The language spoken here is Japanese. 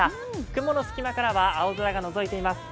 雲の隙間からは青空がのぞいています。